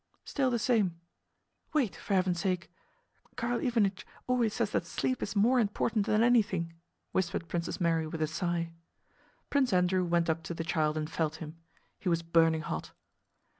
"Still the same. Wait, for heaven's sake. Karl Ivánich always says that sleep is more important than anything," whispered Princess Mary with a sigh. Prince Andrew went up to the child and felt him. He was burning hot.